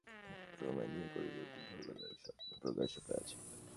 এই আবিষ্কারটা যে সত্য তার প্রধান প্রমাণ, ইহা কৃষ্ণপ্রতিপদের ভোরবেলায় স্বপ্নে প্রকাশ পাইয়াছে।